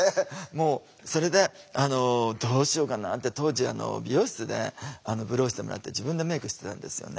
もうそれで「どうしようかな」って当時美容室でブローしてもらって自分でメイクしてたんですよね。